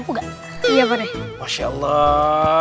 juga ialah masyallah